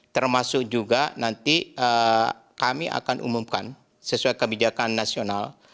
termasuk juga nanti kami akan umumkan sesuai kebijakan nasional